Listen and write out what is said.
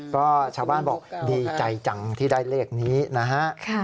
ก็ชาวบ้านบอกดีใจจังที่ได้เลขนี้นะฮะ